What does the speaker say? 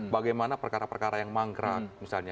bagaimana perkara perkara yang mangkrak misalnya